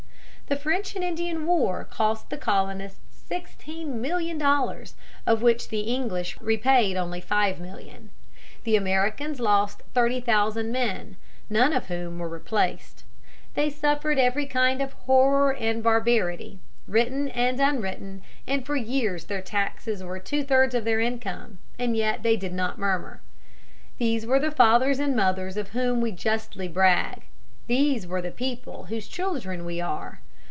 The French and Indian War cost the Colonists sixteen million dollars, of which the English repaid only five million. The Americans lost thirty thousand men, none of whom were replaced. They suffered every kind of horror and barbarity, written and unwritten, and for years their taxes were two thirds of their income; and yet they did not murmur. These were the fathers and mothers of whom we justly brag. These were the people whose children we are.